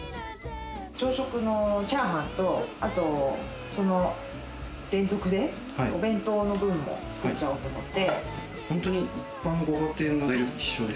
朝食のチャーハンとあと連続でお弁当の分も作っちゃおうと思って。